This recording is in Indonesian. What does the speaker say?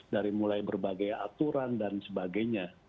dari mulai berbagai aturan dan sebagainya